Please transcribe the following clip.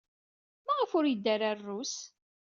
Maɣef ur yeddi ara ɣer Rrus?